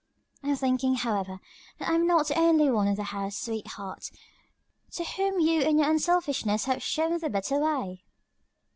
I'm thinking, however, that I'm not the only one in the house, sweetheart, to whom you and your unselfishness have shown the 'better way.'"